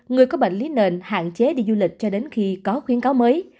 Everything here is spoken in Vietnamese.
người có bệnh lý nền hạn chế đi du lịch cho đến khi có khuyến cáo mới